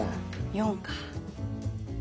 ４か。